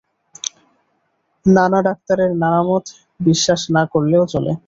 নানা ডাক্তারের নানা মত, বিশ্বাস না করলেও চলে।